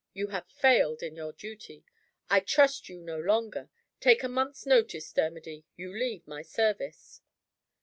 You have failed in your duty. I trust you no longer. Take a month's notice, Dermody. You leave my service."